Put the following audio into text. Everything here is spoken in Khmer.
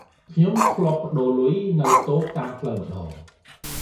ខ្ញុំធ្លាប់ប្ដូរលុយនៅតូបតាមផ្លូវម្ដង។